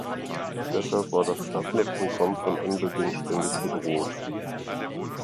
Deshalb war das Daphne-Programm von Anbeginn ständig bedroht.